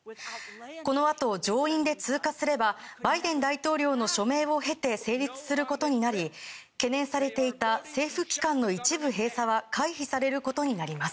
このあと上院で通過すればバイデン大統領の署名を経て成立することになり懸念されていた政府機関の一部閉鎖は回避されることになります。